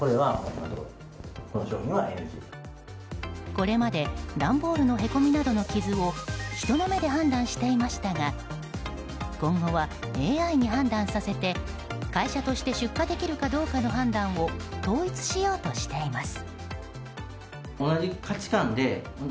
これまで段ボールのへこみなどの傷を人の目で判断していましたが今後はＡＩに判断させて会社として出荷できるかどうかの判断を統一しようとしています。